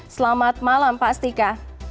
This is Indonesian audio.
selamat malam pak astika